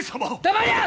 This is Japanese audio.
黙りゃ！